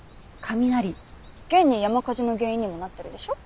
現に山火事の原因にもなってるでしょ？